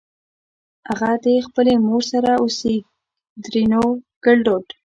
اغه دې خپلې مور سره اوسېږ؛ ترينو ګړدود